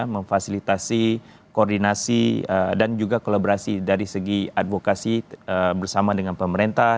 memfasilitasi koordinasi dan juga kolaborasi dari segi advokasi bersama dengan pemerintah